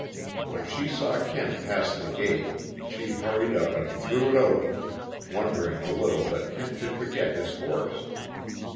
When she saw Kent pass the gate, she hurried up and threw it open, wondering a little that Kent should forget his horse.